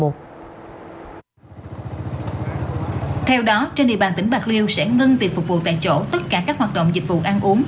theo đó trên địa bàn tỉnh bạc liêu sẽ ngưng việc phục vụ tại chỗ tất cả các hoạt động dịch vụ ăn uống